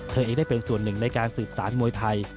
เองได้เป็นส่วนหนึ่งในการสืบสารมวยไทย